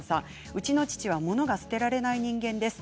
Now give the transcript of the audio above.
うちの父は物が捨てられない人間です。